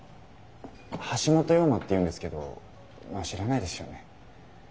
橋本陽馬っていうんですけどまあ知らないですよね。